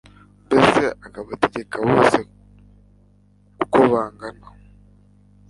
mbese akabategeka bose uko bangana